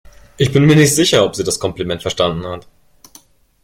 Ich bin mir nicht sicher, ob sie das Kompliment verstanden hat.